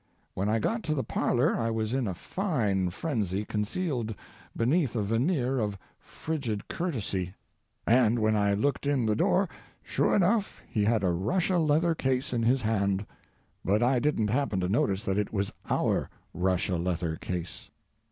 When I got to the parlor I was in a fine frenzy concealed beneath a veneer of frigid courtesy. And when I looked in the door, sure enough he had a Russia leather case in his hand. But I didn't happen to notice that it was our Russia leather case.